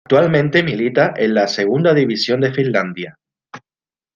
Actualmente milita en la Segunda División de Finlandia.